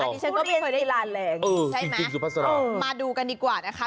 อ่ะเวทีเชิงก็เปลี่ยนสายที่ราญแหลงเออใช่ไหมอ่ามาดูกันดีกว่านะคะ